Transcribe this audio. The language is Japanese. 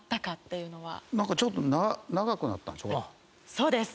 そうです。